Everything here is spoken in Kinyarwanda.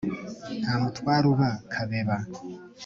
nta mutware uba kabeba